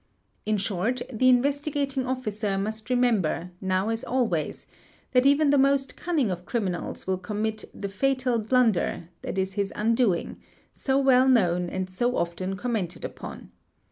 In short, the Investigating Officer must re member, now as always, that even the most cunning of criminals will commit "the fatal blunder" that is his undoing, so well known and so often commented upon.